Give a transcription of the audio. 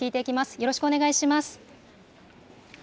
よろしくお願いします。